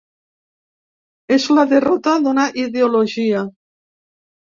És la derrota d’una ideologia.